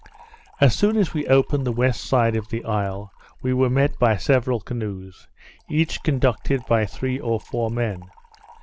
As soon as we opened the west side of the isle, we were met by several canoes, each conducted by three or four men.